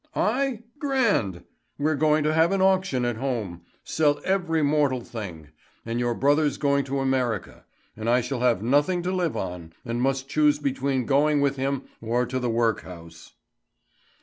"I? Grand! We're going to have an auction at home sell every mortal thing; and your brother's going to America, and I shall have nothing to live on, and must choose between going with him or to the workhouse."